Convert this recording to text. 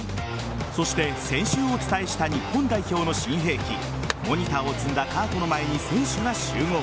そして先週お伝えした日本代表の新兵器モニターを積んだカートの前に選手が集合。